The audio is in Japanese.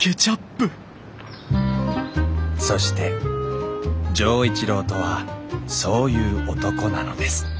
そして錠一郎とはそういう男なのです。